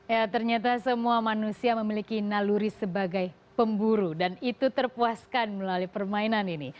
ya ternyata semua manusia memiliki naluri sebagai pemburu dan itu terpuaskan melalui permainan ini